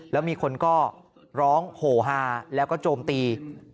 แล้วมีคนก็ร้องโหฮาแล้วก็โจมตี